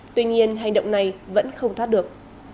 tuy nhiên hành động này vẫn không thoát được